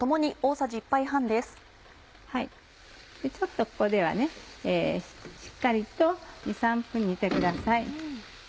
ちょっとここではしっかりと２３分煮てください。